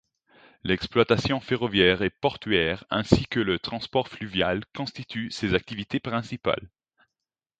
L'exploitation ferroviaire et portuaire, ainsi que le transport fluvial constituent ses activités principales.